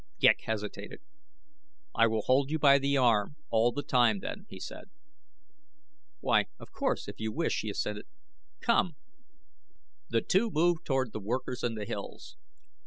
Ghek hesitated. "I will hold you by the arm all the time, then," he said. "Why, of course, if you wish," she assented. "Come!" The two moved toward the workers and the hills.